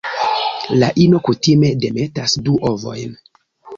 La ino kutime demetas du ovojn.